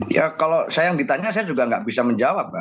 ya kalau saya yang ditanya saya juga nggak bisa menjawab